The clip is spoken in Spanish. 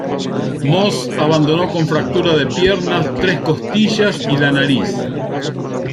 Moss abandonó con fractura de piernas, tres costillas y la nariz.